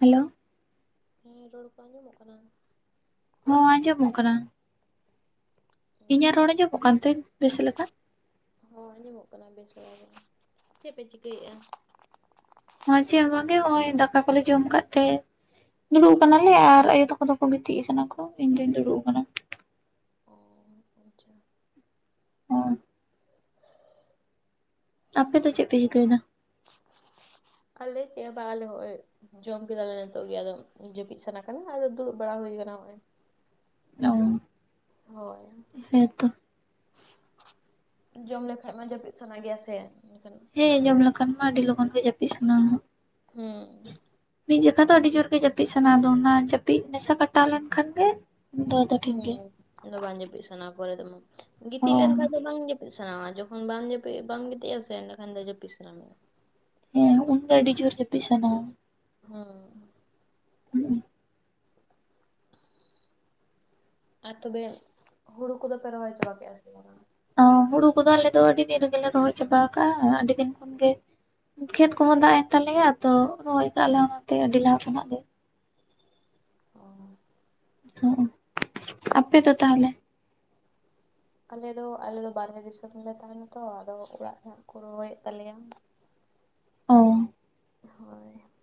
Hello ᱦᱮ ᱨᱚᱲ ᱠᱚ ᱟᱸᱡᱚᱢᱚᱜ ᱠᱟᱱᱟ ᱦᱚᱸ ᱟᱡᱚᱢᱚᱜ ᱠᱟᱱᱟ ᱤᱧᱟᱹᱜ ᱨᱚᱲ ᱟᱸᱡᱚᱢᱚᱜ ᱠᱟᱱ ᱛᱮ ᱵᱮᱥ ᱞᱮᱠᱟ ᱦᱚᱸ ᱟᱸᱡᱚᱢᱚᱜ ᱠᱟᱱᱟ ᱵᱮᱥ ᱵᱟᱲᱟᱜᱮ ᱪᱮᱫ ᱯᱮ ᱪᱤᱠᱟᱹᱭᱮᱜᱼᱟ ᱱᱚᱭ ᱪᱮ ᱵᱟᱝ ᱜᱮ ᱱᱚᱜᱚᱭ ᱫᱟᱠᱟ ᱠᱚᱞᱮ ᱡᱚᱢ ᱠᱟ ᱛᱮ ᱫᱩᱲᱩᱵ ᱟᱠᱟᱱᱟᱞᱮ ᱟᱨ ᱟᱭᱳ ᱛᱟᱠᱚ ᱫᱚᱠᱚ ᱜᱤᱛᱤᱡ ᱥᱟᱱᱟ ᱠᱚ ᱤᱧ ᱫᱩᱧ ᱫᱩᱲᱩᱵ ᱟᱠᱟᱱᱟ ᱚ ᱟᱪᱪᱷᱟ ᱦᱚ ᱟᱯᱮ ᱫᱚ ᱪᱮᱜ ᱯᱮ ᱪᱤᱠᱟᱹᱭᱮᱫᱟ [unintelligible] ᱟᱞᱮ ᱪᱮ ᱦᱚᱸ ᱵᱟ ᱟᱞᱮ ᱦᱚᱜ ᱚᱭ ᱡᱚᱢ ᱠᱮᱫᱟᱞᱮ ᱱᱤᱛᱚᱜ ᱜᱮ ᱟᱫᱚ ᱡᱟᱹᱯᱤᱫ ᱥᱟᱱᱟ ᱠᱟᱱᱟ ᱟᱫᱚ ᱫᱩᱲᱩᱵ ᱵᱟᱲᱟ ᱦᱩᱭ ᱟᱠᱟᱱᱟ ᱱᱚᱜᱚᱭ ᱚ ᱦᱚᱭ ᱦᱮᱸᱛᱚ ᱡᱚᱢ ᱞᱮᱠᱷᱟᱡ ᱢᱟ ᱡᱟᱹᱯᱤᱫ ᱥᱟᱱᱟ ᱜᱮᱭᱟ ᱥᱮ ᱮᱱᱠᱷᱟᱱ ᱦᱮᱸ ᱡᱚᱢ ᱞᱮᱠᱷᱟᱱ ᱢᱟ ᱟᱹᱰᱤ ᱞᱚᱜᱚᱱ ᱜᱮ ᱡᱟᱹᱯᱤᱫ ᱥᱟᱱᱟ ᱼᱟ ᱦᱩᱸ ᱢᱤ ᱡᱚᱠᱷᱟ ᱫᱚ ᱟᱹᱰᱤ ᱡᱳᱨ ᱜᱮ ᱡᱟᱹᱯᱤ ᱡᱟᱹᱯᱤ ᱥᱟᱱᱟ-ᱟ ᱟᱫᱚ ᱚᱱᱟ ᱡᱟᱹᱯᱤᱫ ᱱᱮᱥᱟ ᱠᱟᱴᱟᱣ ᱞᱮᱱᱠᱷᱟᱱ ᱜᱮ ᱫᱚ ᱟᱫᱚ ᱴᱷᱤᱠ ᱦᱩᱸ ᱜᱮ ᱟᱫᱚ ᱵᱟᱝ ᱡᱟᱹᱯᱤᱫ ᱥᱟᱱᱟ ᱯᱚᱨᱮ ᱫᱚ ᱜᱤᱛᱤᱡ ᱦᱚᱸ ᱞᱮᱱᱠᱷᱟᱱ ᱫᱚ ᱵᱟᱝ ᱥᱟᱱᱟᱣᱟ ᱡᱚᱠᱷᱚᱱ ᱵᱟᱢ ᱡᱟᱹᱯᱤᱫ ᱵᱟᱢ ᱜᱤᱛᱤᱡ ᱟ ᱥᱮ ᱮᱸᱰᱮᱠᱷᱟᱱ ᱫᱚ ᱡᱟᱹᱯᱤᱫ ᱥᱟᱱᱟ ᱢᱮᱭᱟ ᱦᱮᱸ ᱩᱱᱜᱟ ᱟᱹᱰᱤ ᱡᱳᱨ ᱡᱟᱹᱯᱤᱫ ᱥᱟᱱᱟᱣ ᱼᱟ। ᱦᱩᱸ ᱦᱩᱸ ᱟᱨ ᱛᱚᱵᱮ ᱦᱩᱲᱩ ᱠᱚᱫᱚ ᱯᱮ ᱨᱚᱦᱚᱭ ᱪᱟᱵᱟ ᱠᱮᱜᱼᱟ ᱥᱮ ᱵᱟᱝᱟ ᱦᱩᱲᱩ ᱠᱚᱫᱚ ᱟᱞᱮ ᱫᱚ ᱟᱹᱰᱤ ᱫᱤᱱ ᱨᱮᱜᱮᱞᱮ ᱨᱚᱦᱚᱭ ᱪᱟᱵᱟ ᱟᱠᱟᱜᱼᱟ ᱟᱹᱰᱤ ᱫᱤᱱ ᱠᱷᱚᱱᱜᱮ ᱠᱷᱮᱛ ᱠᱚᱦᱚᱸ ᱫᱟᱜ ᱮᱱ ᱛᱟᱞᱮᱭᱟ ᱟᱫᱚ ᱨᱚᱦᱚᱭ ᱠᱟᱜᱼᱟ ᱞᱮ ᱚᱱᱟᱛᱮ ᱟᱹᱰᱤ ᱞᱟᱦᱟ ᱠᱷᱚᱱᱟᱜ ᱜᱮ ᱾ ᱚ ᱾ ᱚ, ᱟᱯᱮ ᱫᱚ ᱛᱟᱦᱚᱞᱮ? ᱟᱞᱮ ᱫᱚ ᱟᱞᱮ ᱫᱚ ᱵᱟᱨᱦᱮ ᱫᱤᱥᱚᱢᱞᱮ ᱛᱟᱦᱮᱱᱟ ᱛᱚ, ᱟᱫᱚ ᱚᱲᱟᱜ ᱨᱮ ᱠᱚ ᱨᱚᱦᱚᱭᱮᱫ ᱛᱟᱞᱮᱭᱟ ᱾ ᱚ ᱾ ᱦᱳᱭ ᱾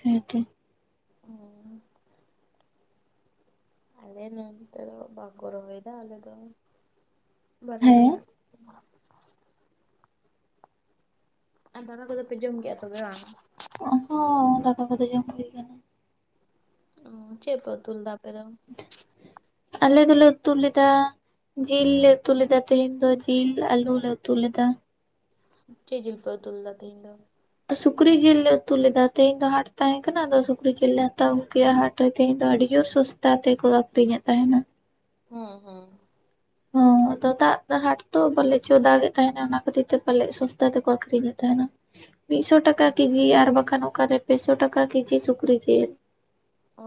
ᱦᱮᱸ ᱛᱚ ᱾ ᱦᱚᱭ ᱾ ᱟᱞᱮ ᱱᱚᱱᱛᱮ ᱫᱚ ᱵᱟᱠᱚ ᱨᱚᱦᱚᱭᱮᱫᱟ ᱟᱞᱮ ᱫᱚ ᱾ ᱵᱟᱨᱭᱟ ᱨᱮ ᱦᱮᱸ ᱦᱮᱱᱟᱜ ᱟᱨ ᱫᱟᱠᱟ ᱠᱚᱫᱚ ᱯᱮ ᱡᱚᱢ ᱠᱮᱜᱼᱟ ᱥᱮ ᱵᱟᱝ? ᱚ ᱦᱚᱸ ᱫᱟᱠᱟ ᱠᱚᱫᱚ ᱡᱚᱢ ᱦᱩᱭ ᱠᱟᱱᱟ ᱾ ᱚᱸ, ᱪᱮᱫ ᱯᱮ ᱩᱛᱩ ᱞᱮᱫᱟ ᱟᱯᱮ ᱫᱚ? ᱟᱞᱮ ᱫᱚᱞᱮ ᱩᱛᱩ ᱞᱮᱫᱟ ᱡᱤᱞ ᱞᱮ ᱩᱛᱩ ᱞᱮᱫᱟ ᱛᱮᱦᱮᱱ ᱫᱚ ᱡᱤᱞ ᱟᱞᱩ ᱞᱮ ᱩᱛᱩ ᱞᱮᱫᱟ᱾ ᱪᱮᱫ ᱡᱤᱞ ᱯᱮ ᱩᱛᱩ ᱞᱮᱫᱟ ᱛᱮᱦᱮᱧ ᱫᱚ? ᱥᱩᱠᱨᱤ ᱡᱤᱞ ᱞᱮ ᱩᱛᱩ ᱞᱮᱫᱟ ᱛᱮᱦᱮᱧ ᱫᱚ ᱦᱟᱴ ᱛᱟᱦᱮᱸ ᱠᱟᱱᱟ, ᱟᱫᱚ ᱥᱩᱠᱨᱤ ᱡᱤᱞ ᱞᱮ ᱦᱟᱛᱟᱣ ᱟᱹᱜᱩ ᱠᱮᱜᱼᱟ ᱦᱟᱴ ᱨᱮ ᱛᱮᱦᱮᱧ ᱫᱚ ᱟᱹᱰᱤ ᱡᱳᱨ ᱥᱚᱥᱛᱟ ᱛᱮᱠᱚ ᱟᱹᱠᱷᱨᱤᱧᱮᱫ ᱛᱟᱦᱮᱱᱟ ᱾ ᱦᱩᱸ ᱦᱩᱸ ᱾ ᱦᱚᱸ ᱾ ᱟᱫᱚ ᱫᱟᱜ ᱨᱮ ᱦᱟᱴ ᱛᱚ ᱯᱟᱞᱮ ᱪᱚ ᱫᱟᱜᱮᱫ ᱛᱟᱦᱮᱱᱟ ᱚᱱᱟ ᱠᱷᱟᱹᱛᱤᱨ ᱛᱮ ᱯᱟᱞᱮᱜ ᱥᱚᱥᱛᱟ ᱛᱮᱠᱚ ᱟᱠᱷᱨᱤᱧᱮᱫ ᱛᱟᱦᱮᱱᱟ ᱾ ᱢᱤᱫᱥᱚ ᱴᱟᱠᱟ ᱠᱮᱡᱤ ᱟᱨ ᱵᱟᱠᱷᱟᱱ ᱚᱠᱟᱨᱮ ᱯᱮᱥᱚ ᱴᱟᱠᱟ ᱠᱮᱡᱤ ᱥᱩᱠᱨᱤ ᱡᱤᱞ ᱾ ᱚ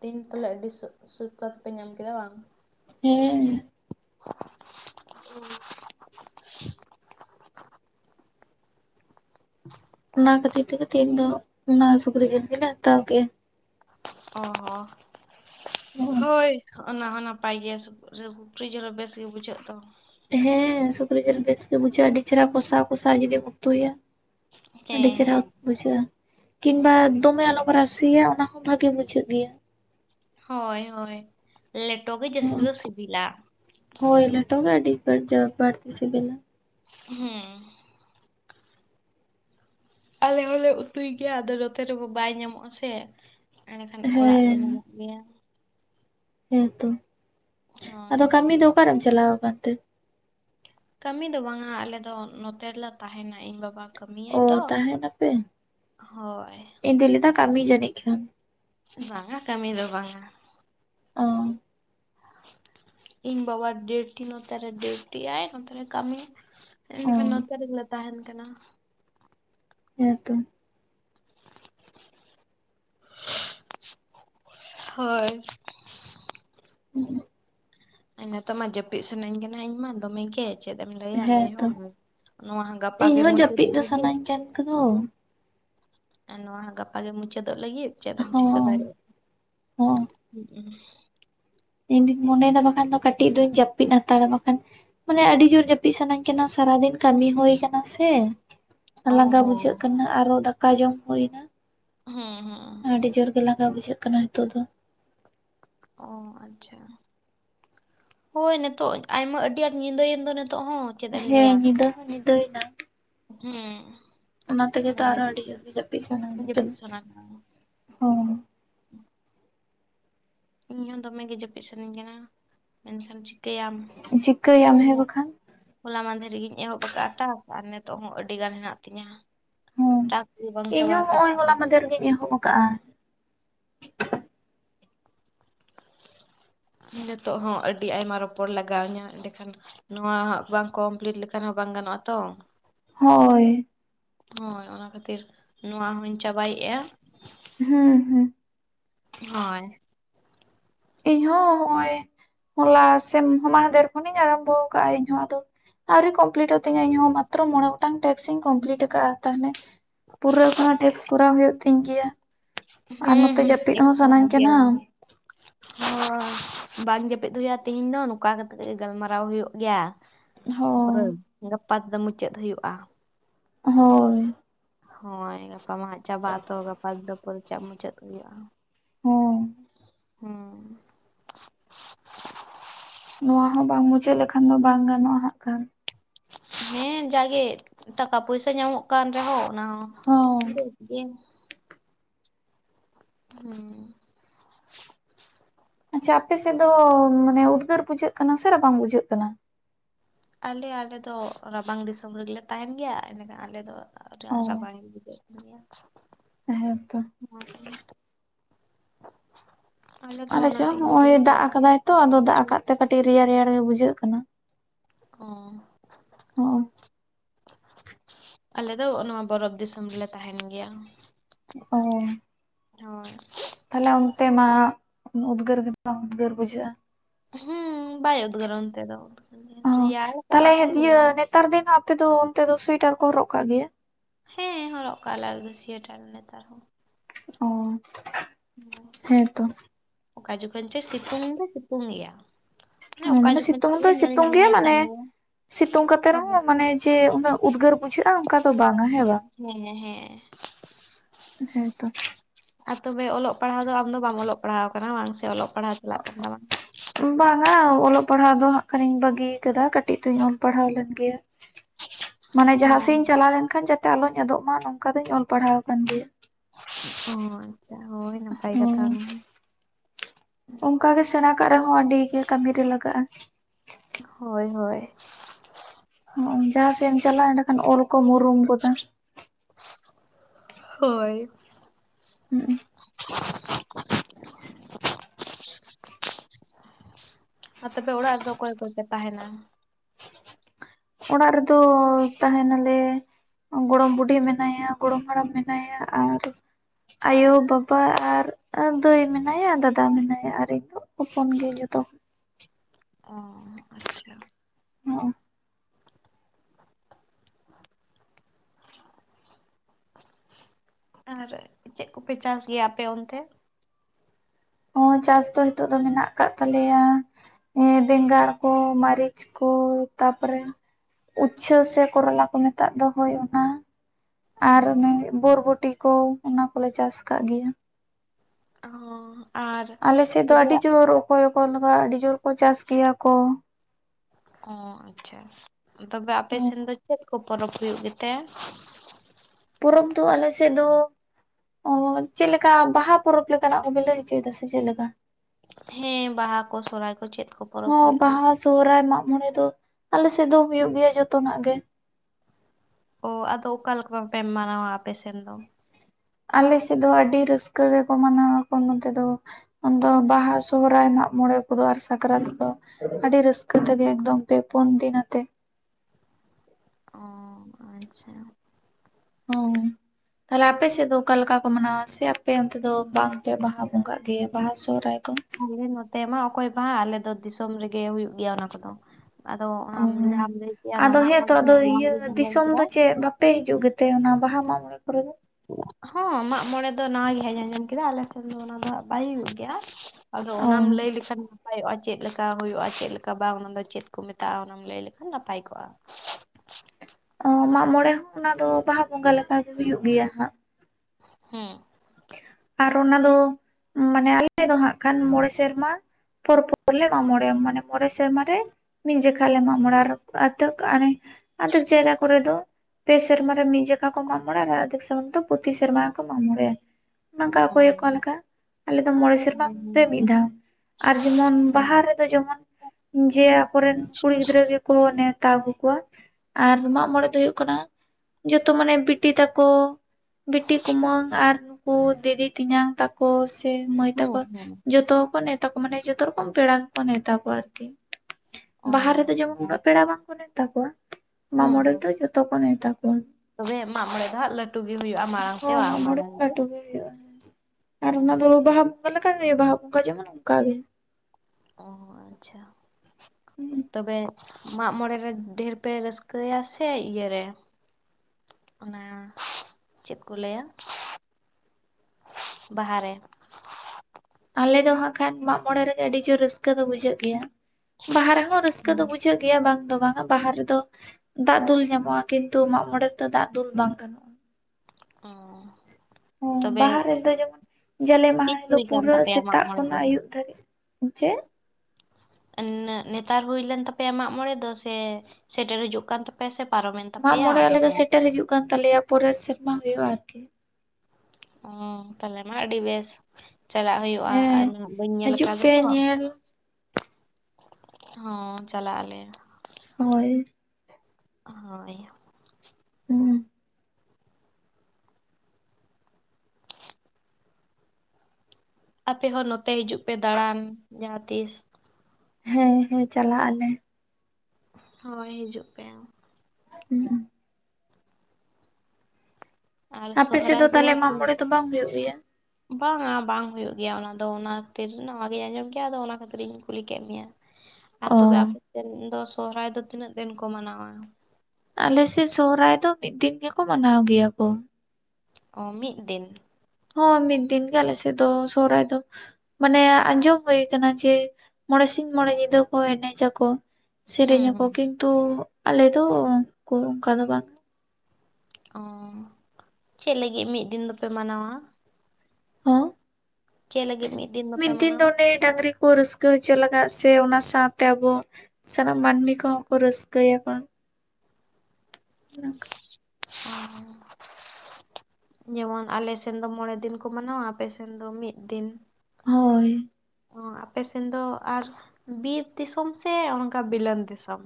ᱛᱮᱦᱤᱧ ᱫᱚ ᱛᱟᱦᱚᱞᱮ ᱟᱹᱰᱤ ᱥᱚᱜ ᱥᱚᱥᱛᱟ ᱛᱮᱯᱮ ᱧᱟᱢ ᱠᱮᱫᱟ ᱵᱟᱝ! ᱦᱮᱸᱻ [inaudible] ᱚᱱᱟ ᱠᱷᱟᱹᱛᱤᱨ ᱛᱮᱜᱮ ᱛᱮᱦᱮᱱ ᱫᱚ ᱚᱱᱟ ᱥᱩᱠᱨᱤ ᱡᱤᱞ ᱜᱮᱞᱮ ᱦᱟᱛᱟᱣ ᱠᱮᱜᱼᱟ ᱾ ᱚ ᱦᱚ ᱦᱳᱭ ᱾ ᱦᱚᱜᱼᱚᱱᱟ ᱦᱚᱸ ᱱᱟᱯᱟᱭ ᱜᱮᱭᱟ ᱥᱩᱠ-ᱥᱩᱠᱨᱤ ᱡᱤᱞ ᱦᱚᱸ ᱵᱮᱥ ᱜᱮ ᱵᱩᱡᱷᱟᱹᱜ ᱫᱚ ᱾ ᱦᱮᱸ ᱥᱩᱠᱨᱤ ᱡᱤᱞ ᱵᱮᱥ ᱜᱮ ᱵᱩᱡᱷᱟᱹᱜᱼᱟ ᱟᱹᱰᱤ ᱪᱮᱨᱦᱟ ᱠᱚᱥᱟᱣ ᱠᱚᱥᱟᱣ ᱡᱩᱫᱤᱢ ᱩᱛᱩᱭᱟ ᱾ ᱟᱹᱰᱤ ᱦᱮᱸ ᱪᱮᱨᱦᱟ ᱦᱮᱸ ᱵᱩᱡᱷᱟᱹᱜᱼᱟ ᱾ ᱠᱤᱱᱵᱟ ᱚ ᱫᱚᱢᱮ ᱟᱞᱚᱢ ᱨᱟᱥᱤᱭᱟ ᱚᱱᱟ ᱦᱚᱸ ᱵᱷᱟᱜᱮ ᱵᱩᱡᱷᱟᱹᱜ ᱜᱮᱭᱟ ᱾ ᱦᱳᱭ ᱦᱳᱭ ᱞᱮᱴᱚ ᱜᱮ ᱡᱟᱹᱥᱛᱤ ᱫᱚ ᱥᱤᱵᱤᱞᱟ ᱾ ᱦᱳᱭ ᱞᱮᱴᱚ ᱜᱮ ᱟᱹᱰᱤ ᱵᱟᱹᱲ ᱡᱟᱹᱥ ᱵᱟᱹᱲᱛᱤ ᱥᱤᱵᱤᱞᱟ ᱾ ᱦᱮᱸᱻ ᱟᱞᱮ ᱦᱚᱸᱞᱮ ᱩᱛᱩᱭ ᱜᱮᱭᱟ ᱟᱫᱚ ᱱᱚᱛᱮ ᱨᱮ ᱢᱟ ᱵᱟᱭ ᱧᱟᱢᱚᱜᱼᱟ ᱥᱮ ᱮᱸᱰᱮᱠᱷᱟᱱ ᱚᱲᱟᱜ ᱨᱮ ᱦᱮᱸ ᱧᱟᱢᱚᱜ ᱜᱮᱭᱟ ᱾ ᱦᱮᱸᱛᱚ, ᱦᱳᱭ ᱟᱫᱚ ᱠᱟᱹᱢᱤ ᱫᱚ ᱚᱠᱟᱨᱮᱢ ᱪᱟᱞᱟᱣ ᱠᱟᱱᱛᱮ? ᱠᱟᱹᱢᱤ ᱫᱚ ᱵᱟᱝᱼᱟ ᱟᱞᱮᱫᱚ ᱱᱚᱛᱮ ᱨᱮᱞᱮ ᱛᱟᱦᱮᱱᱟ, ᱤᱧ ᱵᱟᱵᱟ ᱚᱻ ᱠᱟᱹᱢᱤᱭᱟᱭ ᱛᱚ ᱛᱟᱦᱮᱱᱟᱯᱮ, ᱦᱳᱭ ᱤᱧ ᱫᱩᱧ ᱞᱮᱭᱫᱟ ᱠᱟᱹᱢᱤ ᱡᱟᱹᱱᱤᱡ ᱠᱷᱟᱱ! ᱵᱟᱝᱼᱟ ᱠᱟᱹᱢᱤ ᱫᱚ ᱵᱟᱝᱼᱟ ᱾ ᱚᱻ ᱤᱧ ᱵᱟᱵᱟ ᱰᱮᱣᱴᱤ ᱱᱚᱛᱮ ᱨᱮ ᱰᱮᱣᱴᱤᱼᱟᱭ ᱱᱚᱛᱮ ᱨᱮ ᱠᱟᱢᱤᱭᱟᱭ ᱾ ᱚ ᱮᱸᱰᱮᱠᱷᱟᱱ ᱱᱚᱛᱮ ᱨᱮᱜᱮᱞᱮ ᱛᱟᱦᱮᱱ ᱠᱟᱱᱟ ᱾ ᱦᱮᱸᱛᱚ ᱾ ᱦᱳᱭ ᱾ [inaudible] ᱟᱨ ᱱᱮᱛᱚᱜ ᱢᱟ ᱡᱟᱹᱯᱤᱫ ᱥᱟᱱᱟᱤᱧ ᱠᱟᱱᱟ ᱤᱧ ᱢᱟ ᱫᱚᱢᱮ ᱜᱮ ᱪᱮᱫ ᱮᱢ ᱞᱟᱹᱭᱟ ᱦᱮᱸᱛᱚ ᱞᱟᱹᱭᱦᱚᱸ ᱱᱚᱣᱟ ᱦᱚᱸ ᱜᱟᱯᱟ ᱜᱮ ᱤᱧᱦᱚᱸ ᱡᱟᱹᱯᱤᱫ ᱢᱩᱪᱟᱹᱫᱚᱜ ᱫᱚ ᱞᱟᱹᱜᱤᱫ ᱥᱟᱱᱟᱧ ᱠᱟᱱ ᱠᱚᱫᱚ ᱟᱨ ᱱᱚᱣᱟ ᱦᱚᱸ ᱜᱟᱯᱟ ᱜᱮ ᱢᱩᱪᱟᱹᱫᱚᱜ ᱞᱟᱹᱜᱤᱫ ᱪᱮᱫ ᱪᱤᱠᱟᱹ ᱦᱚᱸ ᱫᱟᱲᱮᱭᱟᱜ ᱦᱩᱸᱜ-ᱩᱸ ᱤᱧ ᱫᱩᱧ ᱢᱚᱱᱮᱭᱫᱟ ᱵᱟᱠᱷᱟᱱ ᱫᱚ ᱠᱟᱹᱴᱤᱡ ᱫᱩᱧ ᱡᱟᱹᱯᱤᱫ ᱦᱟᱛᱟᱲᱟ ᱵᱟᱠᱷᱟᱱ ᱢᱟᱱᱮ ᱟᱹᱰᱤ ᱡᱳᱨ ᱡᱟᱹᱯᱤᱫ ᱥᱟᱱᱟᱧ ᱠᱟᱱᱟ ᱥᱟᱨᱟᱫᱤᱱ ᱠᱟᱹᱢᱤ ᱦᱳᱭ ᱠᱟᱱᱟ ᱥᱮ ᱚ ᱞᱟᱸᱜᱟ ᱵᱩᱡᱷᱟᱹᱜ ᱦᱚᱸ ᱠᱟᱱᱟ ᱟᱨᱦᱚ ᱫᱟᱠᱟ ᱡᱚᱢ ᱦᱩᱭᱱᱟ ᱦᱮᱸ ᱦᱮᱸ ᱟᱹᱰᱤ ᱡᱳᱨ ᱜᱮ ᱞᱟᱸᱜ ᱞᱟᱸᱜᱟ ᱵᱩᱡᱷᱟᱹᱜ ᱠᱟᱱᱟ ᱦᱤᱛᱚᱜ ᱫᱚ ᱚ ᱟᱪᱪᱷᱟ ᱦᱳᱭ ᱱᱤᱛᱚᱜ ᱟᱭᱢᱟ ᱟᱹᱰᱤ ᱟᱸᱴ ᱧᱤᱫᱟᱹᱭᱮᱱ ᱫᱚ ᱱᱤᱛᱚᱜ ᱦᱚᱸ ᱪᱮᱫ ᱦᱮᱸ ᱧᱤᱫᱟᱹ ᱦᱚᱸ ᱧᱤᱫᱟᱹᱭᱱᱟ ᱦᱩᱸ ᱚᱱᱟ ᱛᱮᱜ ᱛᱚ ᱟᱨᱚ ᱟᱹᱰᱤ ᱡᱳᱨ ᱜᱮ ᱡᱟᱹᱯᱤᱫ ᱥᱟᱱᱟ ᱡᱟᱹᱯᱤᱫ ᱥᱟᱱᱟ ᱠᱟᱱᱟ [unintelligible] ᱦᱚ, [unintelligible] ᱤᱧ ᱦᱚᱸ ᱫᱚᱢᱮᱜᱮ ᱡᱟᱹᱯᱤᱜ ᱥᱟᱹᱱᱟᱹᱧ ᱠᱟᱱᱟ ᱢᱮᱱᱠᱷᱟᱱ ᱪᱤᱠᱟᱹᱭᱟᱢ᱾ ᱪᱤᱠᱟᱹᱭᱟᱢ ᱦᱮ ᱤᱧᱟᱹᱜ ᱵᱟᱠᱷᱟᱱ, ᱦᱚᱞᱟ ᱢᱟᱦᱫᱷᱮᱨ ᱜᱤᱧ ᱮᱦᱚᱵ ᱟᱠᱟᱜᱼᱟ ᱴᱟᱥ, ᱟᱨ ᱱᱤᱛᱚᱜ ᱦᱚᱸ ᱟᱹᱰᱤ ᱜᱟᱱ ᱦᱮᱱᱟᱜ ᱛᱤᱧᱟᱹ᱾ ᱴᱟᱥᱠ ᱜᱮ ᱵᱟᱝ ᱪᱟᱵᱟ ᱟᱠᱟᱱ ᱛᱤᱧᱟᱹ ᱱᱤᱛᱚᱜ ᱜᱤᱧ ᱮᱦᱚᱵ ᱟᱠᱟᱜᱼᱟ᱾ [unintelligible] ᱱᱤᱛᱚᱜ ᱦᱚᱸ ᱟᱹᱰᱤ ᱟᱭᱢᱟ ᱨᱚᱯᱚᱲ ᱞᱟᱜᱟᱣ ᱟᱧᱟ ᱮᱸᱰᱮᱠᱷᱟᱱ ᱱᱚᱣᱟᱜ ᱵᱟᱝ ᱠᱚᱢᱯᱤᱞᱤᱴ ᱞᱮᱠᱷᱟᱱ ᱦᱚᱸ ᱵᱟᱝ ᱜᱟᱱᱚᱜᱼᱟ ᱛᱚ, ᱦᱳᱭᱻ ᱦᱳᱭ ᱚᱱᱟ ᱠᱷᱟᱹᱛᱤᱨ ᱱᱚᱣᱟ ᱦᱩᱧ ᱪᱟᱵᱟᱭᱮᱜᱼᱟ᱾ ᱦᱩᱸ ᱦᱩᱸ ᱦᱚᱭ ᱤᱧ ᱦᱚᱸ ᱚᱜᱚᱭ ᱦᱚᱞᱟ ᱥᱮ ᱢᱟᱦᱫᱮᱨ ᱠᱷᱚᱱᱤᱧ ᱟᱨᱚᱢᱵᱚ ᱠᱟᱜᱼᱟ ᱤᱧ ᱦᱚᱸ ᱟᱫᱚ ᱟᱣᱨᱤ ᱠᱚᱢᱯᱞᱤᱴᱛᱚᱜ ᱛᱤᱧᱟ ᱤᱧ ᱦᱚᱸ ᱢᱟᱛᱨᱚ ᱢᱚᱬᱮ ᱜᱚᱴᱟᱝ ᱴᱮᱥᱠ ᱤᱧ ᱠᱚᱢᱯᱞᱤᱴ ᱟᱠᱟᱫᱼᱟ ᱛᱟᱦᱞᱮ ᱯᱩᱨᱟᱹ ᱮᱠᱷᱚᱱᱚ ᱴᱮᱠᱥ ᱠᱚᱨᱟᱣ ᱦᱩᱭᱩᱜ ᱛᱤᱧ ᱜᱮᱭᱟ᱾ ᱟᱨ ᱦᱩᱸ ᱱᱚᱛᱮ ᱦᱩᱸ ᱡᱟᱹᱯᱤᱫ ᱦᱚ ᱥᱟᱱᱟᱧ ᱠᱟᱱᱟ, ᱦᱚᱭ ᱵᱟᱝ ᱡᱟᱹᱯᱤᱫ ᱦᱩᱭᱩᱜᱼᱟ ᱛᱤᱦᱤᱧ ᱫᱚ, ᱱᱚᱝᱠᱟ ᱠᱟᱛᱮᱜ ᱜᱮ ᱜᱟᱞᱢᱟᱨᱟᱣ ᱦᱩᱭᱩᱜ ᱜᱮᱭᱟ᱾ [unintelligible] ᱜᱟᱯᱟ ᱛᱮᱫᱚ ᱢᱩᱪᱟᱹᱫ ᱦᱩᱭᱩᱜᱼᱟ᱾ ᱦᱚᱭ ᱦᱚᱭ ᱜᱟᱯᱟ ᱢᱟ ᱦᱟᱸᱜ ᱪᱟᱵᱟᱜ ᱟᱛᱚ ᱜᱟᱯᱟ [unintelligible] ᱢᱩᱪᱟᱹᱫ ᱦᱩᱭᱩᱜᱼᱟ᱾ ᱦᱩᱸ ᱦᱩᱸ ᱱᱚᱣᱟ ᱦᱚᱸ ᱵᱟᱝ ᱢᱩᱪᱟᱹᱫ ᱞᱮᱠᱷᱟᱱ ᱫᱚ ᱵᱟᱝ ᱜᱟᱱᱚᱜᱼᱟ ᱦᱟᱸᱜ ᱠᱟᱱ ᱦᱮᱸ ᱡᱟᱜᱮ ᱴᱟᱠᱟ ᱯᱚᱭᱥᱟᱹ ᱧᱟᱢᱚᱜ ᱠᱟᱱ ᱨᱮᱦᱚ ᱚᱱᱟ ᱦᱚᱸ [unintelligible] ᱦᱩᱸ ᱟᱪᱪᱷᱟ ᱟᱯᱮ ᱥᱮᱫ ᱫᱚ ᱢᱟᱱᱮ ᱩᱫᱽᱜᱟᱹᱨ ᱵᱩᱡᱷᱟᱹᱜ ᱠᱟᱱᱟ ᱥᱮ? ᱨᱟᱵᱟᱝ ᱵᱩᱡᱷᱟᱹᱜ ᱠᱟᱱᱟ? ᱟᱞᱮ ᱟᱞᱮ ᱫᱚ ᱨᱟᱵᱟᱝ ᱫᱤᱥᱚᱢ ᱨᱮᱜᱮᱞᱮ ᱛᱟᱦᱮᱱ ᱜᱮᱭᱟ, ᱮᱸᱰᱮᱠᱷᱟᱱ ᱟᱞᱮ ᱫᱚ ᱚ ᱟᱨ ᱨᱟᱵᱟᱝ ᱜᱮ ᱵᱩᱡᱷᱟᱹᱜ ᱠᱟᱱ ᱜᱮᱭᱟ᱾ ᱦᱮᱼᱛᱚ [unintelligible] [inaudible] ᱟᱞᱮ ᱫᱚ ᱚᱱᱟ ᱤᱭᱟᱹ ᱜᱮᱞᱮ [inaudible] ᱴᱟ ᱠᱟᱴᱤᱜ ᱨᱮᱭᱟᱲ-ᱨᱮᱭᱟᱲ ᱜᱮ ᱵᱩᱡᱷᱟᱹᱜ ᱠᱟᱱᱟ᱾ ᱚ᱾ ᱦᱚᱸ ᱟᱞᱮ ᱫᱚ ᱱᱚᱣᱟ ᱵᱚᱨᱚᱵ ᱫᱤᱥᱚᱢ ᱨᱮᱞᱮ ᱛᱟᱦᱮᱸᱱ ᱜᱮᱭᱟ᱾ ᱚ᱾ ᱦᱳᱭ᱾ ᱛᱟᱦᱞᱮ ᱚᱱᱛᱮ ᱢᱟ ᱩᱫᱽᱜᱟᱹᱨ ᱜᱮ ᱵᱟᱝ ᱩᱫᱽᱜᱟᱹᱨ ᱵᱩᱡᱷᱟᱹᱜᱼᱟ? ᱦᱩᱸ ᱵᱟᱭ ᱩᱫᱽᱜᱟᱹᱨᱟ ᱚᱸᱛᱮ ᱫᱚ᱾ ᱚ ᱨᱮᱭᱟᱲ ᱛᱟᱦᱞᱮ ᱥᱟᱨᱟᱠᱷᱚᱱ ᱤᱭᱟᱹ ᱨᱮᱭᱟᱲ᱾ ᱱᱮᱛᱟᱨ ᱫᱤᱱ ᱟᱯᱮ ᱫᱚ ᱚᱱᱛᱮ ᱫᱚ ᱥᱩᱭᱴᱟᱨ ᱠᱚ ᱦᱚᱨᱚᱜ ᱠᱟᱜ ᱜᱮᱭᱟ? ᱦᱮᱸ ᱦᱚᱨᱚᱜ ᱠᱟᱜ ᱞᱮ ᱟᱞᱮ ᱫᱚ ᱥᱩᱭᱮᱴᱟᱨ ᱱᱮᱛᱟᱨ ᱦᱚᱸ᱾ ᱚ᱾ ᱚ ᱦᱮᱸᱛᱚ ᱚᱠᱟ ᱡᱚᱠᱷᱚᱧ ᱪᱚ ᱥᱤᱛᱩᱝ ᱫᱚᱭ ᱥᱤᱛᱩᱝ ᱜᱮᱭᱟ᱾ ᱚ ᱚᱠᱟ ᱢᱟᱱᱮ ᱡᱚᱠᱷᱚᱱ ᱥᱤᱛᱩᱝ ᱪᱚᱞᱮ ᱫᱚ ᱧᱮᱞ ᱥᱤᱛᱩᱝ ᱜᱮᱭᱟ, ᱧᱟᱢᱮᱭᱟᱭ ᱢᱟᱱᱮ ᱪᱟᱸᱫᱳ᱾ ᱥᱤᱛᱩᱝ ᱠᱟᱛᱮ ᱦᱳᱭ᱾ ᱨᱮᱦᱚᱸ ᱢᱟᱱᱮ ᱡᱮ ᱩᱱᱟᱹᱜ ᱩᱫᱽᱜᱟᱹᱨ ᱵᱩᱡᱷᱟᱹᱜᱼᱟ ᱚᱝᱠᱟ ᱫᱚ ᱵᱟᱝᱟ ᱦᱮᱸ ᱵᱟᱝ? ᱦᱮᱸ-ᱦᱮᱸ᱾ ᱦᱮᱸᱛᱚ ᱟᱨ ᱛᱚᱵᱮ ᱚᱞᱚᱜ ᱯᱟᱲᱦᱟᱹᱣ ᱫᱚ ᱟᱢ ᱫᱚ ᱵᱟᱢ ᱚᱞᱚᱜ ᱯᱟᱲᱦᱟᱹᱣ ᱠᱟᱱᱟ ᱵᱟᱝ ᱥᱮ ᱚᱞᱚᱜ ᱯᱟᱲᱦᱟᱹᱜ ᱪᱟᱞᱟᱹᱜ ᱠᱟᱱ ᱛᱟᱢᱟ? ᱵᱟᱝᱟ ᱚᱞᱚᱜ ᱯᱟᱲᱦᱟᱹᱜ ᱫᱚ ᱦᱟᱸᱜ ᱠᱷᱟᱱᱤᱧ ᱵᱟᱹᱜᱤ ᱠᱟᱫᱟ ᱠᱟᱹᱴᱤᱡ ᱛᱩᱧ ᱚᱞ ᱯᱟᱲᱦᱟᱹᱭ ᱞᱮᱱ ᱜᱮᱹᱭᱟ᱾ [inaudible] ᱢᱟᱱᱮᱹ ᱚ ᱡᱟᱦᱟᱸᱥᱮᱫ ᱤᱧ ᱪᱟᱞᱟᱹᱣ ᱞᱮᱹᱱᱠᱷᱟᱱ ᱡᱟᱛᱮ ᱟᱞᱚᱧ ᱟᱸᱫᱚᱜ ᱢᱟ ᱱᱚᱝᱠᱟ ᱫᱚᱧ ᱚᱞ ᱯᱟᱲᱦᱟᱹᱣ ᱠᱟᱱ ᱜᱮᱹᱭᱟ ᱦᱳᱭᱸ ᱟᱪᱪᱷᱟ ᱦᱳᱭ ᱱᱟᱯᱟᱹᱭ ᱠᱟᱛᱷᱟ ᱠᱟᱱᱟ᱾ ᱚᱱᱠᱟᱹᱜᱮ ᱥᱮᱬᱟ ᱠᱟᱜ ᱨᱮᱦᱚᱸ ᱟᱹᱰᱤᱜ ᱜᱮ ᱠᱟᱹᱢᱤᱨᱮ ᱞᱟᱜᱟᱜᱼᱟ᱾ ᱦᱳᱭ ᱦᱳᱭ᱾ ᱦᱩᱸ ᱡᱟᱦᱟᱸ ᱥᱮᱡ ᱮᱢ ᱪᱟᱞᱟᱜᱼᱟ ᱮᱸᱰᱮ ᱠᱷᱟᱱ ᱚᱞ ᱩᱨᱩᱢ ᱜᱚᱫᱟᱹ᱾ ᱦᱳᱭ᱾ ᱦᱩᱸ᱾ ᱟᱯᱮ ᱫᱚ ᱚᱲᱟᱜ ᱨᱮᱫᱚ ᱚᱠᱚᱭ ᱚᱠᱚᱭ ᱯᱮ ᱛᱟᱦᱮᱸᱱᱟ? ᱚᱲᱟᱜ ᱨᱮᱹᱫᱚ ᱛᱟᱦᱮᱸᱱᱟᱹᱞᱮ ᱜᱚᱲᱚᱢ ᱵᱩᱰᱷᱤ ᱢᱮᱱᱟᱭᱼᱟ ᱜᱚᱲᱚᱢ ᱦᱟᱲᱟᱢ ᱢᱮᱱᱟᱭᱼᱟ ᱟᱨ ᱟᱭᱳ ᱵᱟᱵᱟ ᱟᱨ ᱫᱟᱹᱭ ᱢᱮᱱᱟᱭᱼᱟ ᱫᱟᱫᱟ ᱢᱮᱱᱟᱭᱼᱟ ᱟᱨ ᱤᱧ ᱫᱚ ᱦᱚᱯᱚᱱ ᱜᱮᱹᱭᱟ ᱡᱷᱚᱛᱚ᱾ ᱚ ᱟᱪᱪᱷᱟ᱾ ᱠᱷᱚᱱ᱾ [inaudible] ᱟᱨ ᱪᱮᱫ ᱠᱚᱸᱯᱮ ᱪᱟᱥ ᱜᱮᱭᱟ ᱟᱸᱯᱮ ᱚᱱᱛᱮ? ᱦᱚᱸ ᱪᱟᱥ ᱫᱚ ᱱᱤᱛᱚᱜ ᱫᱚ ᱢᱮᱱᱟᱹᱜ ᱠᱟᱫ ᱛᱟᱞᱮᱭᱟ᱾ ᱦᱮᱸ ᱵᱮᱸᱜᱟᱲ ᱠᱚ ᱢᱟᱹᱨᱤᱪ ᱠᱚ ᱛᱟᱨᱯᱚᱨᱮ ᱩᱪᱪᱷᱟᱹ ᱥᱮ ᱠᱚᱨᱚᱞᱟ ᱠᱚ ᱢᱮᱛᱟᱹᱜ ᱫᱚ ᱦᱳᱭ ᱚᱱᱟ᱾ ᱟᱨ ᱦᱮᱸ ᱚᱱᱮ ᱵᱚᱨᱵᱚᱴ ᱠᱚ ᱚᱱᱟ ᱠᱚᱞᱮ ᱪᱟᱥ ᱠᱟᱜ ᱜᱮᱭᱟ᱾ ᱚ᱾ ᱟᱨ ᱟᱸᱞᱮᱥᱮᱫ ᱫᱚ ᱛᱚᱵᱮ ᱟᱹᱰᱤ ᱡᱳᱨ ᱚᱠᱚᱸᱭ ᱚᱠᱚᱸ ᱠᱚᱫᱚ ᱟᱹᱰᱤ ᱡᱳᱨ ᱠᱚ ᱪᱟᱥ ᱜᱮᱹᱭᱟ ᱠᱚ᱾ ᱚ ᱟᱪᱪᱷᱟ ᱛᱚᱵᱮ ᱟᱸᱯᱮ ᱥᱮᱱ ᱫᱚ ᱪᱮᱫ ᱠᱚ ᱯᱚᱨᱚᱵᱽ ᱦᱩᱭᱩᱹᱜ ᱜᱮᱛᱮ? ᱯᱚᱨᱚᱵᱽ ᱫᱚ ᱟᱞ ᱥᱮᱫ ᱫᱚ ᱚ ᱪᱮᱫ ᱞᱮᱠᱟ ᱵᱟᱦᱟ ᱯᱚᱨᱚᱵᱽ ᱞᱮᱠᱟᱱᱟᱼᱜ ᱠᱚᱵᱤᱱ ᱞᱟᱹᱭ ᱦᱚᱪᱚᱭᱹᱫᱟ ᱥᱮ ᱪᱮᱫᱹᱞᱮᱠᱟ? ᱦᱮᱸ ᱵᱟᱦᱟ ᱠᱚ ᱥᱚᱨᱦᱟᱹᱭ ᱠᱚ ᱪᱮᱫ ᱠᱚ ᱯᱚᱨᱚᱵᱽ ᱦᱩᱭᱩᱹᱜ ᱜᱮᱭᱟ? ᱥᱚᱦᱚᱨᱟᱹᱭ ᱢᱟᱜ ᱢᱚᱬᱮ ᱫᱚ ᱟᱸᱞᱮ ᱥᱮᱫ ᱫᱚ ᱦᱩᱭᱩᱹᱜ ᱜᱮᱹᱭᱟ ᱡᱷᱚᱛᱚᱸᱱᱟᱜ ᱜᱮ᱾ ᱚ ᱟᱫᱚ ᱚᱠᱟ ᱞᱮᱠᱟᱹ ᱯᱮ ᱢᱟᱱᱟᱣᱼᱟ ᱟᱸᱯᱮ ᱥᱮᱱ ᱫᱚ? ᱟᱞᱮ ᱥᱮᱫ ᱫᱚ ᱟᱹᱰᱤ ᱨᱟᱹᱥᱠᱟᱹ ᱜᱮᱠᱚᱸ ᱢᱟᱹᱱᱟᱣᱟᱚ ᱱᱚᱛᱮ ᱫᱚ᱾ ᱟᱸᱫᱚ ᱵᱟᱦᱟ ᱥᱚᱨᱦᱟᱹᱭ ᱢᱟᱜ ᱢᱚᱬᱮ ᱠᱚᱫᱚᱹ ᱟᱨ ᱥᱟᱠᱨᱟᱛ ᱠᱚ᱾ ᱟᱹᱰᱤ ᱨᱟᱹᱥᱠᱟᱹ ᱛᱮᱜᱮ ᱮᱠᱫᱚᱢ ᱯᱮ ᱯᱩᱱ ᱫᱤᱱ ᱟᱛᱮ᱾ ᱚ ᱟᱪᱪᱷᱟ᱾ ᱚ᱾ ᱛᱟᱦᱚᱹᱞᱮ ᱟᱸᱯᱮ ᱥᱮᱫ ᱚᱠᱟᱮ ᱞᱮᱠᱟ ᱠᱚ ᱢᱟᱱᱟᱣᱼᱟ ᱥᱮ ᱟᱸᱯᱮ ᱚᱱᱛᱮ ᱫᱚ ᱵᱟᱝ ᱯᱮ ᱵᱟᱦᱟ ᱵᱚᱸᱜᱟᱜ ᱜᱮᱭᱟ ᱵᱟᱦᱟ ᱥᱚᱦᱚᱨᱟᱼᱭ ᱠᱚᱸ? ᱟᱞᱮ ᱱᱚᱛᱮ ᱢᱟ ᱚᱠᱚᱭ ᱵᱟᱝ ᱟᱸᱞᱮ ᱫᱚ ᱫᱤᱥᱚᱢ ᱨᱮᱹᱜᱮ ᱦᱩᱭᱩᱹᱜ ᱜᱮᱹᱭᱟ ᱚᱱᱟ ᱠᱚᱫᱚ᱾ ᱟᱸᱫᱚ ᱚ ᱚᱱᱟᱢ ᱡᱟᱦᱟᱸᱟᱢ ᱞᱟᱹᱭ ᱠᱮᱫᱼᱟ ᱟᱱᱟ ᱟᱫᱚ ᱢᱟᱜᱽ ᱢᱚᱲᱮ ᱫᱚ ᱦᱟᱸᱜ ᱱᱚᱣᱟ ᱜᱤᱧ ᱟᱸᱡᱚᱢ ᱠᱮᱫᱟ᱾ ᱯᱮ ᱦᱤᱡᱩᱜ ᱜᱮ ᱠᱟᱛᱮ ᱚᱱᱟ ᱵᱟᱦᱟ ᱢᱟᱜᱽ ᱢᱚᱬᱮ ᱠᱚᱨᱮ ᱫᱚ? ᱦᱚᱸ ᱢᱟᱜᱽ ᱢᱚᱬᱮ ᱫᱚ ᱱᱚᱣᱟᱹᱜᱮ ᱦᱟᱸᱜ ᱤᱧ ᱟᱸᱡᱚᱢ ᱠᱮᱫᱟ᱾ ᱟᱸᱞᱮ ᱥᱮᱱ ᱫᱚ ᱚᱱᱟ ᱫᱚ ᱦᱟᱸᱜ ᱵᱟᱭ ᱦᱩᱭᱩᱹᱜ ᱜᱮᱭᱟ᱾ ᱟᱸᱫᱚ ᱚ ᱚᱱᱟᱢ ᱞᱟᱹᱭ ᱞᱮᱹᱠᱷᱟᱱ ᱱᱟᱯᱟᱭᱚᱜᱼᱟ᱾ ᱪᱮᱫ ᱞᱮᱠᱟ ᱦᱩᱭᱩᱜᱼᱟ ᱪᱮᱫ ᱞᱮᱠᱟ ᱵᱟᱝ ᱚᱱᱟᱹᱫᱚ ᱪᱮᱫ ᱠᱚ ᱢᱮᱛᱟᱜᱼᱟ ᱚᱱᱟᱢ ᱞᱟᱹᱭ ᱞᱮᱹᱠᱷᱟᱱ ᱱᱟᱯᱟᱭ ᱠᱟᱜ-ᱟ᱾ ᱚ ᱢᱟᱜᱽ ᱢᱚᱬᱮ ᱦᱚᱸ ᱚᱱᱟ ᱫᱚ ᱵᱟᱦᱟ ᱵᱚᱸᱜᱟ ᱞᱮᱠᱟᱹᱜᱮ ᱦᱩᱭᱩᱹᱜ ᱜᱮᱭᱟ ᱦᱟᱸᱜ᱾ ᱦᱮᱸ᱾ ᱟᱨ ᱚᱱᱟ ᱫᱚ ᱢᱟᱱᱮᱹ ᱟᱸᱞᱮ ᱫᱚ ᱦᱟᱸᱜ ᱠᱷᱟᱱ ᱢᱚᱬᱮ ᱥᱮᱨᱢᱟᱹ ᱯᱚᱨ ᱯᱟᱨ ᱞᱮ ᱢᱟᱜᱽ ᱢᱚᱲᱮᱜ-ᱟ ᱢᱟᱱᱮ ᱯᱟᱨᱮ ᱥᱮᱨᱢᱟ ᱨᱮ ᱢᱤᱫ ᱡᱚᱠᱷᱟ ᱞᱮ ᱢᱟᱜᱽ ᱢᱚᱬᱮ ᱟᱨ ᱟᱛᱠ ᱟᱨᱮ ᱟᱫᱮᱠ ᱡᱟᱭᱜᱟ ᱠᱚᱨᱮ ᱫᱚ ᱯᱮ ᱥᱮᱨᱢᱟ ᱨᱮ ᱢᱤᱫᱡᱚᱠᱟ ᱠᱚ ᱢᱟᱜᱽ ᱢᱟᱲᱣ-ᱟ ᱟᱨ ᱨᱟᱫᱷᱮᱠ ᱥᱮᱢᱟ ᱫᱚ ᱯᱚᱛᱤ ᱥᱮᱨᱢᱟ ᱜᱮᱠᱚ ᱢᱟᱜᱽ ᱢᱚᱲᱮᱜ-ᱟ᱾ ᱱᱚᱝᱠᱟ ᱚ ᱚᱠᱚᱭ ᱚᱠᱟᱞᱮᱠᱟ ᱟᱞᱮ ᱫᱚ ᱢᱚᱬᱮ ᱦᱮᱸ ᱥᱮᱨᱢᱟ ᱦᱮᱸ ᱦᱮᱸ ᱨᱮ ᱢᱤᱫ ᱫᱷᱟᱣ᱾ ᱟᱨ ᱡᱮᱢᱚᱱ ᱵᱟᱦᱟ ᱨᱮᱫᱚ ᱡᱮᱢᱚᱱ ᱡᱮ ᱟᱠᱚᱨᱮᱱ ᱠᱩᱲᱤ ᱜᱤᱫᱽᱨᱟᱹ ᱜᱮ ᱠᱚ ᱱᱮᱣᱛᱟ ᱟᱹᱜᱩ ᱠᱚᱣᱟ ᱟᱨ ᱢᱟᱜᱽ ᱢᱚᱬᱮ ᱫᱚ ᱦᱩᱭᱩᱜ ᱠᱟᱱᱟ ᱡᱚᱛᱚ ᱢᱟᱱᱮ ᱵᱤᱴᱤ ᱛᱟᱠᱚ, ᱵᱤᱴᱤ ᱠᱩᱢᱟᱹᱝ ᱟᱨ ᱱᱩᱠᱩ ᱫᱤᱫᱤ ᱛᱮᱧᱟᱝ ᱛᱟᱠᱚ᱾ ᱠᱚ ᱥᱮ ᱢᱟᱹᱭ ᱚ ᱛᱟᱠᱚ᱾ ᱡᱚᱛᱚ ᱜᱮᱠᱚ ᱱᱮᱛ ᱛᱟᱠᱚ ᱢᱟᱱᱮ ᱡᱚᱛᱚ ᱨᱚᱠᱚᱢ ᱯᱮᱲᱟ ᱜᱮᱠᱚ ᱱᱮᱣᱛᱟ ᱠᱚᱣᱟ ᱟᱨᱠᱤ, ᱵᱟᱦᱟ ᱨᱮᱫᱚ ᱡᱮᱢᱚᱱ ᱩᱱᱟᱹᱜ ᱯᱮᱲᱟ ᱵᱟᱝᱠᱚ ᱱᱮᱣᱛᱟ ᱛᱟ ᱠᱚᱣᱟ᱾ ᱢᱟᱜ ᱦᱮᱸ ᱢᱚᱬᱮ ᱦᱮᱸ ᱨᱮᱫᱚ ᱡᱚᱛᱚ ᱠᱚ ᱱᱮᱣᱛᱟ ᱠᱚᱣᱟ᱾ ᱛᱚᱵᱮ ᱢᱟᱜᱽ ᱢᱚᱬᱮ ᱫᱚ ᱦᱟᱸᱜ ᱞᱟᱹᱴᱩ ᱜᱮ ᱦᱩᱭᱩᱜᱼᱟ ᱢᱟᱨᱟᱝ ᱛᱮ ᱵᱟᱝ ᱢᱟᱨᱟᱝ ᱜᱮ᱾ ᱠᱟᱜᱮ ᱦᱩᱭᱩᱜ-ᱟ ᱟᱨ ᱦᱩᱸ ᱚᱱᱟ ᱫᱚ ᱵᱟᱦᱟ ᱵᱚᱸᱜᱟ ᱞᱮᱠᱟᱜᱮ ᱵᱟᱦᱟ ᱵᱚᱸᱜᱟ ᱡᱮᱢᱚᱱ ᱚᱱᱠᱟ ᱜᱮ᱾ ᱚ ᱟᱪᱪᱷᱟ᱾ ᱦᱩᱸ᱾ ᱛᱚᱵᱮ ᱢᱟᱜᱢᱚᱬᱮ ᱨᱮ ᱰᱷᱮᱨ ᱯᱮ ᱨᱟᱹᱥᱠᱟᱹᱭᱟ ᱥᱮ ᱤᱭᱟᱹᱨᱮ? ᱚᱱᱟ ᱪᱮᱫ ᱠᱚ ᱞᱟᱹᱭᱟ? ᱵᱟᱦᱟ ᱨᱮ᱾ ᱟᱞᱮ ᱫᱚ ᱦᱟᱸᱜ ᱠᱷᱟᱱ ᱢᱟᱜᱽ ᱢᱚᱬᱮ ᱨᱮᱜᱮ ᱟᱹᱰᱤ ᱡᱳᱨ ᱨᱟᱹᱥᱠᱟᱹ ᱫᱚ ᱵᱩᱡᱷᱟᱹᱜ ᱜᱮᱭᱟ᱾ ᱵᱟᱦᱟ ᱨᱮᱦᱚᱸ ᱨᱟᱹᱥᱠᱟᱹ ᱫᱚ ᱵᱩᱡᱷᱟᱹᱜ ᱜᱮᱭᱟ ᱵᱟᱝ ᱫᱚ ᱵᱟᱝᱟ᱾ ᱵᱟᱦᱟ ᱨᱮᱫᱚ ᱫᱟᱜ ᱫᱩᱞ ᱧᱟᱢᱚᱜᱼᱟ ᱠᱤᱱᱛᱩ ᱢᱟᱜᱽ ᱢᱚᱬᱮ ᱨᱮᱫᱚ ᱫᱟᱜ ᱫᱩᱞ ᱵᱟᱝ ᱜᱟᱱᱚᱜᱼᱟ᱾ ᱚ᱾ ᱚ ᱛᱚᱵᱮ ᱵᱟᱦᱟ ᱨᱮᱫᱚ ᱡᱮᱢᱚᱱ ᱡᱟᱞᱮ ᱢᱟᱦᱟ ᱛᱤᱥ ᱦᱤᱞᱳᱜ ᱦᱩᱭ ᱠᱟᱱ ᱯᱩᱨᱟᱹ ᱛᱟᱯᱮᱭᱟ ᱢᱟᱜ ᱥᱮᱛᱟᱜ ᱢᱚᱬᱮ ᱫᱚ? ᱠᱷᱚᱱᱟᱜ ᱟᱹᱭᱩᱵ ᱫᱷᱟᱹᱨᱤᱡ ᱪᱮᱫ? ᱟᱱᱮᱜ-ᱱᱮᱛᱟᱨ ᱦᱩᱭ ᱞᱮᱱ ᱛᱟᱯᱮᱭᱟ ᱢᱟᱜᱽ ᱢᱚᱬᱮ ᱫᱚ ᱥᱮ ᱥᱮᱴᱮᱨ ᱦᱤᱡᱩᱜ ᱠᱟᱱ ᱛᱟᱯᱮ ᱯᱮ ᱥᱮ ᱯᱟᱨᱚᱢᱮᱱ ᱢᱟᱜ ᱛᱟᱯᱮᱭᱟ? ᱢᱚᱬᱮ ᱟᱞᱮ ᱫᱚ ᱥᱮᱴᱮᱨ ᱦᱤᱡᱩᱜ ᱠᱟᱱ ᱛᱟᱞᱮᱭᱟ ᱯᱚᱨᱮᱨ ᱥᱮᱨᱢᱟ ᱦᱩᱭᱩᱜᱼᱟ ᱟᱨᱠᱤ᱾ ᱚ ᱛᱟᱞᱦᱮ ᱢᱟ ᱟᱹᱰᱤ ᱵᱮᱥ᱾ ᱪᱟᱞᱟᱜ ᱦᱩᱭᱩᱜᱼᱟ ᱦᱮᱸ ᱟᱨ ᱩᱱᱟᱜ ᱵᱟᱹᱧ ᱧᱮᱞ ᱦᱤᱡᱩᱜ ᱠᱟᱫᱟ ᱯᱮ ᱛᱚ᱾ ᱧᱮᱞ ᱦᱚᱸ ᱪᱟᱞᱟᱜ ᱟᱞᱮ᱾ ᱦᱳᱭ᱾ ᱦᱳᱭ᱾ ᱦᱩᱸ ᱟᱯᱮ ᱦᱚᱸ ᱱᱚᱛᱮ ᱦᱤᱡᱩᱜ ᱯᱮ ᱫᱟᱬᱟᱱ ᱡᱟᱦᱟᱸ ᱛᱤᱥ ᱦᱮᱸ ᱦᱮᱸᱪᱟᱞᱟᱜ ᱟᱞᱮ ᱦᱳᱭ ᱦᱤᱡᱩᱜ ᱯᱮ ᱦᱩ ᱟᱨ ᱟᱯᱮ ᱥᱮᱫ ᱥᱚᱨᱦᱟᱭ ᱫᱚ ᱛᱟᱦᱚᱞᱮ ᱢᱟᱜ ᱛᱤᱱ‌ ᱢᱚᱬᱮ ᱨᱮ ᱫᱚ ᱵᱟᱝ ᱦᱩᱭᱩᱜ ᱜᱮᱭᱟ ᱵᱟᱝ-ᱟ ᱵᱟᱝ ᱦᱩᱭᱩᱜ ᱜᱮᱭᱟ ᱚᱱᱟ ᱫᱚ ᱚᱱᱟ ᱠᱷᱟᱹᱛᱤᱨ ᱱᱚᱣᱟᱜᱤᱧ ᱟᱸᱡᱚᱢ ᱜᱮᱭᱟ ᱟᱫᱚ ᱚᱱᱟ ᱠᱷᱟᱹᱛᱤᱨ ᱤᱧ ᱠᱩᱞᱤ ᱠᱮᱫ ᱢᱮᱭᱟ [inaudible] ᱟᱨ ᱛᱚᱵᱮ ᱟᱯᱮ ᱥᱮᱱ ᱥᱚᱦᱚᱨᱟᱭ ᱫᱚ ᱛᱤᱱᱟᱹᱜ ᱫᱤᱱ ᱠᱚ ᱢᱟᱱᱟᱣᱟ? ᱟᱞᱮ ᱥᱮ ᱥᱚᱦᱨᱟᱭ ᱫᱚ ᱢᱤᱫ ᱫᱤᱱ ᱜᱮᱠᱚ ᱢᱟᱱᱟᱣ ᱜᱮᱭᱟ ᱠᱚ ᱚ ᱢᱤᱫ ᱫᱤᱱ ᱦᱚᱸ ᱢᱤᱫ ᱫᱤᱱ ᱜᱮ ᱟᱞᱮ ᱥᱮᱜ ᱫᱚ ᱥᱚᱦᱚᱨᱟᱭ ᱫᱚ ᱢᱟᱱᱮ ᱟᱸᱡᱚᱢ ᱦᱩᱭ ᱟᱠᱟᱱᱟ ᱡᱮ ᱢᱚᱬᱮ ᱥᱤᱧ ᱢᱚᱬᱮ ᱧᱤᱫᱟᱹ ᱠᱚ ᱮᱱᱮᱡᱟ ᱠᱚ ᱦᱩᱸ ᱥᱮᱨᱮᱧ ᱟᱠᱚ ᱦᱩᱸ ᱠᱤᱱᱛᱩ ᱟᱞᱮ ᱫᱚ ᱳᱝ-ᱚᱱᱠᱟ ᱫᱚ ᱵᱟᱝ ᱚ ᱪᱮᱫ ᱞᱟᱹᱜᱤᱫ ᱢᱤᱫ ᱫᱤᱱ ᱫᱚᱯᱮ ᱢᱟᱱᱟᱣᱟ? ᱦᱚᱸ ᱪᱮᱫ ᱞᱟᱹᱜᱤᱫ ᱢᱤᱫ? ᱫᱚᱯᱮ ᱢᱤᱫ ᱫᱤᱱ ᱢᱟᱱᱟᱣᱟ ᱫᱚ ᱚᱱᱮ ᱰᱟᱺᱝᱨᱤ ᱠᱚ ᱨᱟᱹᱥᱠᱟᱹ ᱦᱚᱪᱚ ᱞᱟᱜᱟᱜ ᱥᱮ ᱚᱱᱟ ᱥᱟᱶᱛᱮ ᱟᱵᱚ ᱥᱟᱱᱟᱢ ᱢᱟᱹᱱᱢᱤ ᱠᱚᱦᱚᱸ ᱠᱚ ᱨᱟᱹᱥᱠᱟᱹᱭᱟ ᱠᱚ [unintelligible] [inaudible] ᱡᱮᱢᱚᱱ ᱟᱞᱮ ᱥᱮᱱ ᱫᱚ ᱢᱚᱬᱮ ᱫᱤᱱ ᱠᱚ ᱢᱟᱱᱟᱣᱟ ᱟᱯᱮ ᱥᱮᱱ ᱫᱚ ᱢᱤᱫ ᱫᱤᱱ᱾ ᱦᱳᱭ ᱚ ᱟᱯᱮ ᱥᱮᱱ ᱫᱚ ᱟᱨ ᱵᱤᱨ ᱫᱤᱥᱚᱢ ᱥᱮ ᱚᱱᱠᱟ ᱵᱤᱞᱟᱹᱱ ᱫᱤᱥᱚᱢ?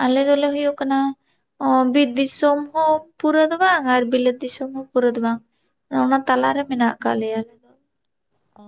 ᱟᱞᱮ ᱫᱚᱞᱮ ᱦᱩᱭᱩᱜ ᱠᱟᱱᱟ ᱚ ᱵᱤᱨ ᱫᱤᱥᱚᱢ ᱦᱚᱸ ᱯᱩᱨᱟᱹ ᱫᱚ ᱵᱟᱝ ᱟᱨ ᱵᱤᱞᱟᱹᱛ ᱫᱤᱥᱚᱢ ᱦᱚᱸ ᱯᱩᱨᱟᱹ ᱫᱚ ᱵᱟᱝ᱾ ᱚᱱᱟ ᱛᱟᱞᱟ ᱨᱮ ᱢᱮᱱᱟᱜ ᱟᱠᱟᱜ ᱞᱮᱭᱟ᱾ ᱫᱚ